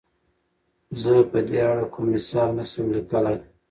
زۀ په دې اړه کوم مثال نه شم ليکلی.